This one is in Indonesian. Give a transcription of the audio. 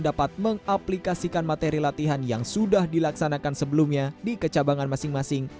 dapat mengaplikasikan materi latihan yang sudah dilaksanakan sebelumnya di kecabangan masing masing